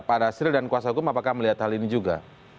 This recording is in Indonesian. pak dasril dan kuasa hukum apakah melihat hal ini juga